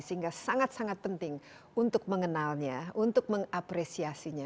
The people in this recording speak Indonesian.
sehingga sangat sangat penting untuk mengenalnya untuk mengapresiasinya